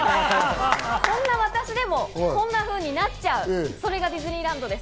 そんな私でもこんなふうになっちゃう、それがディズニーランドです。